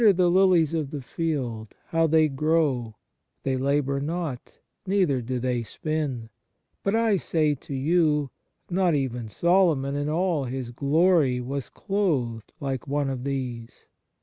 122 ON SOME PREROGATIVES OF GRACE lilies of the field, how they grow; they labour not, neither do they spin. But I say to you, not even Solomon in all his glory was clothed like one of these.